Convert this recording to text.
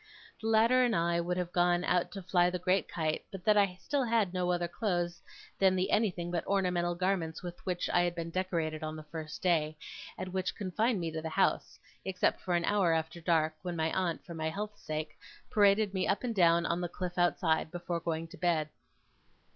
The latter and I would have gone out to fly the great kite; but that I had still no other clothes than the anything but ornamental garments with which I had been decorated on the first day, and which confined me to the house, except for an hour after dark, when my aunt, for my health's sake, paraded me up and down on the cliff outside, before going to bed.